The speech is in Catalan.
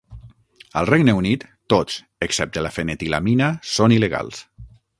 Al Regne Unit, tots, excepte la fenetilamina, són il·legals.